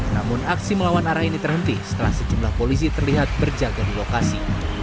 namun aksi melawan arah ini terhenti setelah sejumlah polisi terlihat berjaga di lokasi